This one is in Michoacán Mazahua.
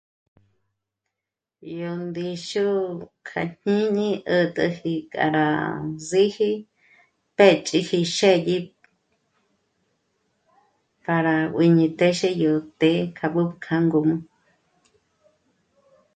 Yó ndíxu kjajñíni 'ät'äji k'a rá z'íji pë'ch'ipji xë́dyi para juǐñi yó téxe yó té k'a mbǜ'ü k'a ngǔm'ü